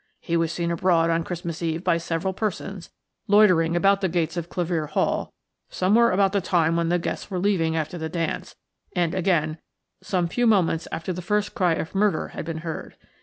He was seen abroad on Christmas Eve by several persons, loitering round the gates at Clevere Hall, somewhere about the time when the guests were leaving after the dance, and, again, some few moments after the first cry of 'Murder' had been heard.